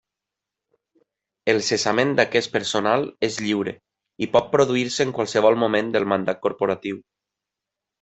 El cessament d'aquest personal és lliure i pot produir-se en qualsevol moment del mandat corporatiu.